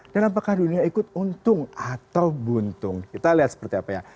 dan apakah dunia ikut untung atau buntung kita lihat seperti apa ya